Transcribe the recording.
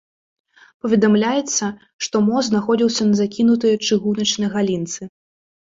Паведамляецца, што мост знаходзіўся на закінутай чыгуначнай галінцы.